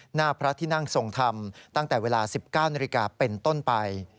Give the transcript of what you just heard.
หน้าพระที่นั่งทรงธรรมตั้งแต่เวลา๑๙นาฬิกาเป็นต้นไป